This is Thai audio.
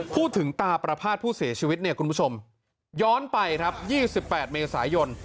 พูดถึงตาประพาทผู้เสียชีวิตเนี่ยคุณผู้ชมย้อนไปครับ๒๘เมษายน